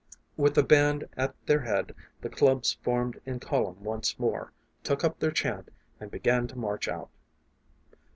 With the band at their head the clubs formed in column once more, took up their chant, and began to march out.